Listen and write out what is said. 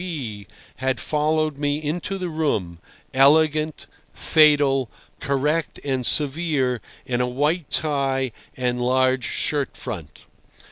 K. B. had followed me into the room, elegant, fatal, correct and severe in a white tie and large shirt front.